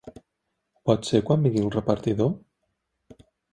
Pot ser quan vingui el repartidor?